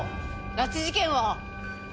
拉致事件は。